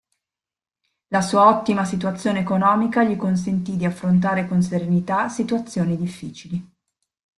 La sua ottima situazione economica gli consentì di affrontare con serenità situazioni difficili.